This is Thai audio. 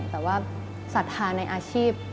แต่ว่าศรัทธาในอาชีพ